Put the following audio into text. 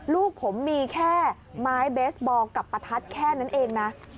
ลูกผมมีแค่ไม้เบสบอลกับประทัดแค่นั้นเองนะ